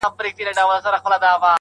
افتخار د پښتنو به قلندر عبدالرحمن وي,